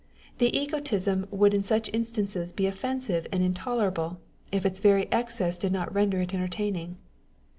The egotism would in such instances be offensive and intolerable, if its very excess did not render it entertaining.